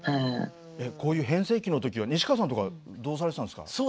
こういう変声期の時は西川さんとかはどうされてたんですか？